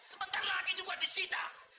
sebentar lagi juga disita